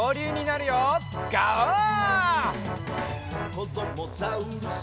「こどもザウルス